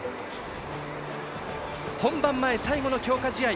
本番前最後の強化試合